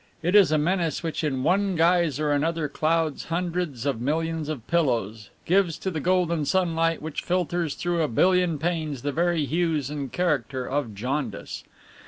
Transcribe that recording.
It is a menace which in one guise or another clouds hundreds of millions of pillows, gives to the golden sunlight which filters through a billion panes the very hues and character of jaundice.